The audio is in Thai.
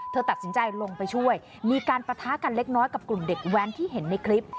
ตัดสินใจลงไปช่วยมีการปะทะกันเล็กน้อยกับกลุ่มเด็กแว้นที่เห็นในคลิป